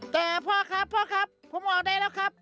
แต่พ่อครับผมออกได้แล้วครับ